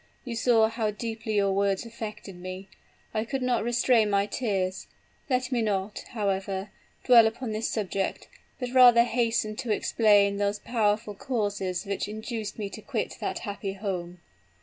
You saw how deeply your words affected me I could not restrain my tears. Let me not, however, dwell upon this subject; but rather hasten to explain those powerful causes which induced me to quit that happy home.